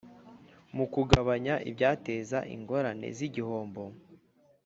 Mu kugabanya ibyateza ingorane z igihombo